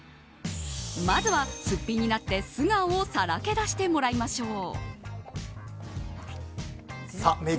まずは、すっぴんになって素顔をさらけ出してもらいましょう。